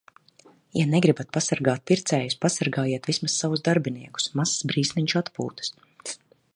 Ja negribat pasargāt pircējus, pasargājiet vismaz savus darbiniekus. Mazs brīsniņš atpūtas.